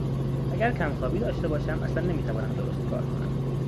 اگر کم خوابی داشته باشم اصلا نمیتوانم درست کار کنم.